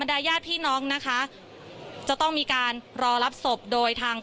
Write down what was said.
พูดสิทธิ์ข่าวธรรมดาทีวีรายงานสดจากโรงพยาบาลพระนครศรีอยุธยาครับ